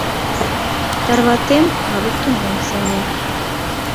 Тарватем, а луктын ом сеҥе.